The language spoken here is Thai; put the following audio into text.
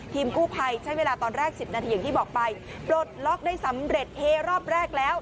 กู้ภัยใช้เวลาตอนแรก๑๐นาทีอย่างที่บอกไปปลดล็อกได้สำเร็จเฮรอบแรกแล้ว